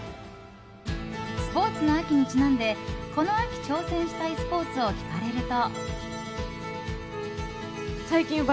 スポーツの秋にちなんでこの秋挑戦したいスポーツを聞かれると。